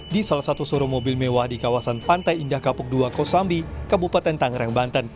di salah satu suru mobil mewah di kawasan pantai indah kapuk dua kosambi kabupaten tangerang banten